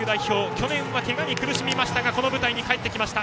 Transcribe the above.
去年はけがに苦しみましたがこの舞台に帰ってきました。